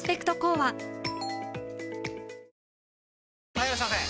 ・はいいらっしゃいませ！